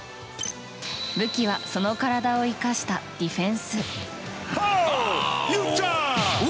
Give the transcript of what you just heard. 武器はその体を生かしたディフェンス。